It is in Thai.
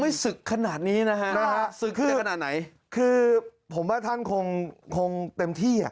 ไม่ศึกขนาดนี้นะฮะศึกขนาดไหนคือผมว่าท่านคงเต็ม